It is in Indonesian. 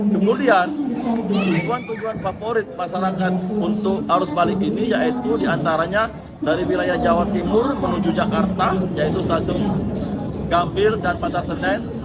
kemudian tujuan tujuan favorit masyarakat untuk arus balik ini yaitu diantaranya dari wilayah jawa timur menuju jakarta yaitu stasiun gambir dan pasar senen